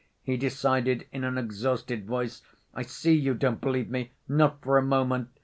he decided, in an exhausted voice. "I see you don't believe me! Not for a moment!